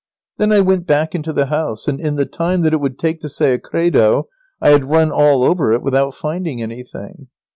Then I went back into the house, and in the time that it would take to say a credo I had run all over it without finding anything.